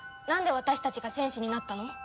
なんで私たちが戦士になったの？